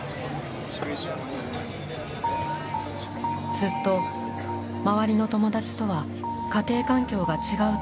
ずっと周りの友達とは家庭環境が違うと感じてきました。